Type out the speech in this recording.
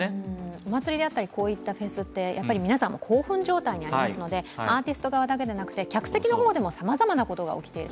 お祭りであったり、こういったフェスって皆さんも興奮状態にありますので、アーティスト側だけではなくて、客席の方でもさまざまなことが起きている。